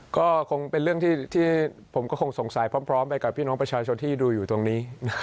ก็คงเป็นเรื่องที่ผมก็คงสงสัยพร้อมไปกับพี่น้องประชาชนที่ดูอยู่ตรงนี้